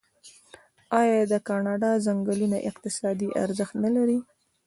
آیا د کاناډا ځنګلونه اقتصادي ارزښت نلري؟